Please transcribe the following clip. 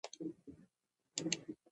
秋涼秋雨秋晴夜長紅葉秋麗初霜